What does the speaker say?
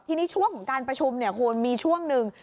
ทีนี้ช่วงของการประชุมเนี่ยคุณมีช่วงหนึ่ง